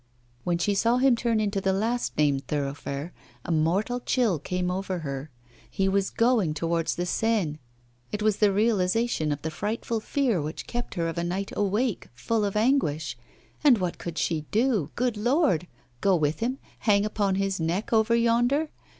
When she saw him turn into the last named thoroughfare, a mortal chill came over her: he was going towards the Seine; it was the realisation of the frightful fear which kept her of a night awake, full of anguish! And what could she do, good Lord? Go with him, hang upon his neck over yonder?